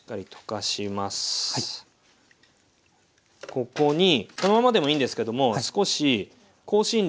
ここにこのままでもいいんですけども少し香辛料。